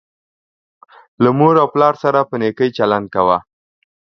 له مور او پلار سره په نیکۍ چلند کوه